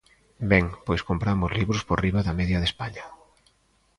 Ben, pois compramos libros por riba da media de España.